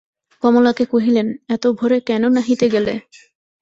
কমলাকে কহিলেন, এত ভোরে কেন নাহিতে গেলে?